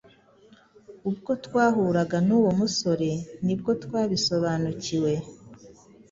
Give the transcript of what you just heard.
ubwo twahuraga nuwo musore nibwo twabisobanukiwe